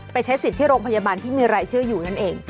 ใช้สิทธิ์ที่โรงพยาบาลที่มีรายชื่ออยู่นั่นเอง